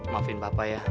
maafin bapak ya